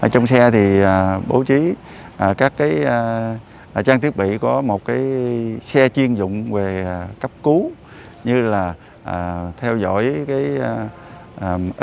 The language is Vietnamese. trong xe thì bổ trí các cái trang thiết bị có một cái xe chuyên dụng về cấp cứu như là theo dõi cái